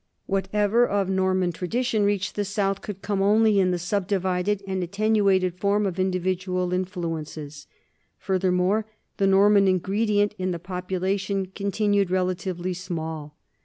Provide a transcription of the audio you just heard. Whatever of Norman tradition reached the south could come only in the subdivided and attenuated form of individual influences. Furthermore, the Norman in gredient in the population continued relatively small.